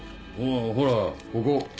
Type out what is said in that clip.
ほらここ。